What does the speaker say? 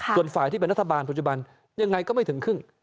ส่วนฝ่ายที่เป็นรัฐบาลปัจจุบันยังไงก็ไม่ถึงครึ่ง